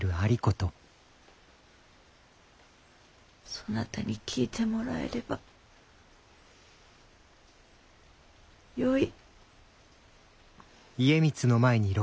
そなたに聞いてもらえればよい。